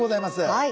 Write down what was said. はい。